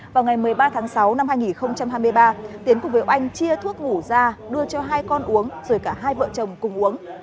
vào ngày một mươi ba tháng sáu năm hai nghìn hai mươi ba tiến cùng với oanh chia thuốc ngủ ra đưa cho hai con uống rồi cả hai vợ chồng cùng uống